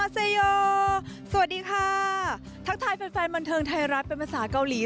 สวัสดีค่ะทักทายแฟนบันเทิงไทยรัฐเป็นภาษาเกาหลี